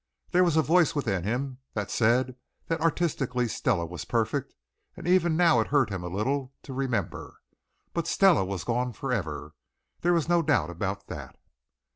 There was a voice within him that said that artistically Stella was perfect and even now it hurt him a little to remember. But Stella was gone forever, there was no doubt about that.